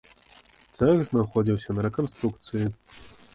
Цэх знаходзіўся на рэканструкцыі.